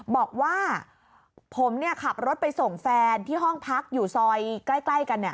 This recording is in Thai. บอกว่าผมขับรถไปส่งแฟนที่ห้องพักอยู่ซอยใกล้กัน